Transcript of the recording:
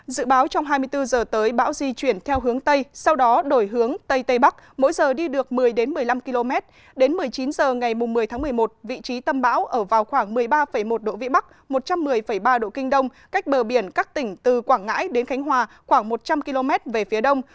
dự báo trong hai mươi bốn h tới bão di chuyển theo hướng tây sau đó đổi hướng tây tây bắc mỗi giờ đi được một mươi một mươi năm km đến một mươi chín h ngày một mươi tháng một mươi một vị trí tâm bão ở vào khoảng một mươi ba một độ vĩ bắc một trăm một mươi ba độ kinh đông cách bờ biển các tỉnh từ quảng ngãi đến khánh hòa khoảng một trăm linh km về phía đông